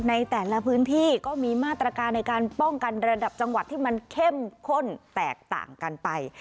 ในแต่ละพื้นที่ก็มีมาตรการในการป้องกันระดับจังหวัดที่มันเข้มข้นแตกต่างกันไป